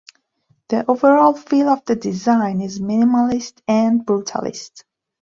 The overall feel of the design is minimalist and brutalist.